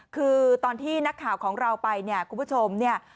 คือตอนที่นักข่าวของเราไปเนี่ยคุณผู้ชมเนี่ย